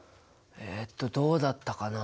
えっとどうだったかな？